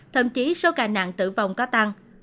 thậm chí số ca nạn tử vong có tăng